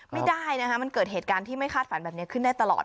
ไม่ได้นะคะมันเกิดเหตุการณ์ที่ไม่คาดฝันแบบนี้ขึ้นได้ตลอด